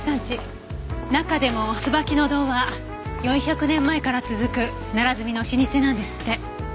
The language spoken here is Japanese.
中でも椿乃堂は４００年前から続く奈良墨の老舗なんですって。